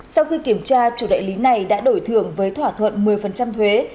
sau khi kiểm tra chủ đại lý này đã đổi thưởng với thỏa thuận một mươi thuế